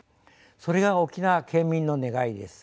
それが沖縄県民の願いです。